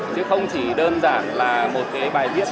chứ không chỉ đơn giản là một cái bài viết